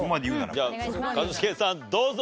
じゃあ一茂さんどうぞ。